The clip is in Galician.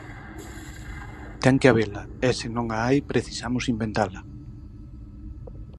Ten que habela, e se non a hai precisamos inventala.